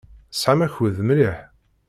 Tesɛam akud mliḥ.